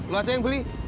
lu aja yang beli